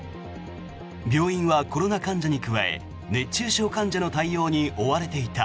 病院はコロナ患者に加え熱中症患者の対応に追われていた。